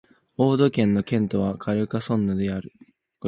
オード県の県都はカルカソンヌである